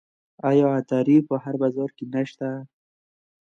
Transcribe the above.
آیا عطاري په هر بازار کې نشته؟